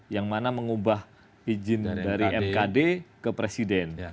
yang mana mengubah izin dari mkd ke presiden